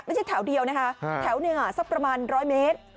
ไม่ใช่แถวเดียวนะคะแถวหนึ่งอ่ะสักประมาณร้อยเมตร